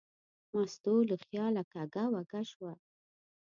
مستو له خیاله کږه وږه شوه.